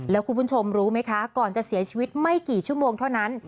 แล้วคุณผู้ชมรู้ไหมคะก่อนจะเสียชีวิตไม่กี่ชั่วโมงเท่านั้น